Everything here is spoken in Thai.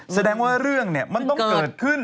แสดงว่าเรื่องเนี่ยมันต้องเกิดขึ้น